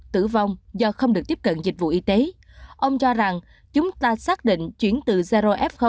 tử vong do không được tiếp cận dịch vụ y tế ông cho rằng chúng ta xác định chuyển từ zrof